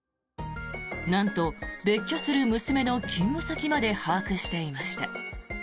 なんと別居する娘の勤務先まで把握していました。